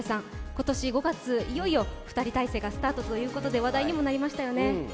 今年５月、いよいよ２人体制がスタートということで話題にもなりましたよね。